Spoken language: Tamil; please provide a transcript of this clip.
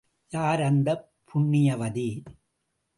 யார் அந்தப் புண்ணியவதி?